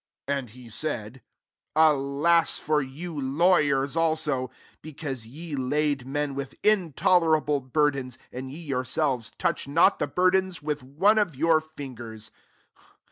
*' 4m> And he said, ^ Alas for jnmt lawyers also ! because ye mdor men with intolerable burdeOiy and ye yourselves touch boH the burdens with one of j^wt fingers.